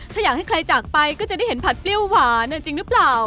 ถ้าอยากให้ใครจากไปก็จะได้เห็นผัดเปรี้ยวหวานจริงหรือเปล่า